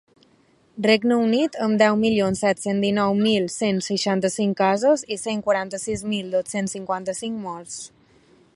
Regne Unit, amb deu milions set-cents dinou mil cent seixanta-cinc casos i cent quaranta-sis mil dos-cents cinquanta-cinc morts.